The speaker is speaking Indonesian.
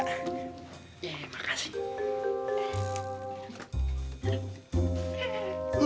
set empuk selalu